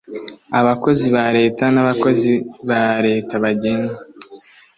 abakozi ba Leta n abakozi ba Leta bagengwa